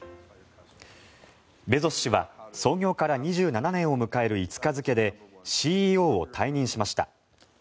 ベゾス氏は創業から２７年を迎える５日付でＣＥＯを退任しました。